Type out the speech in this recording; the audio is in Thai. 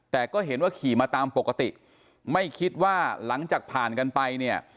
แต่ก็เห็นว่าขี่มาตามปกติไม่คิดว่าหลังจากผ่านกันไปเนี่ย